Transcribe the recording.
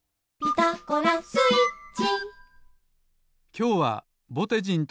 きょうはぼてじんと